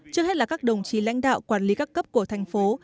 trước hết là các đồng chí lãnh đạo quản lý các cấp của thành phố